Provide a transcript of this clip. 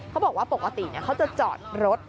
เขาบอกว่าปกติเขาจะจอดรถ